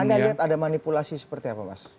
anda lihat ada manipulasi seperti apa mas